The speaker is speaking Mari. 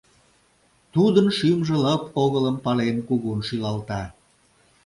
Тудын шӱмжӧ лып огылым пален, кугун шӱлалта.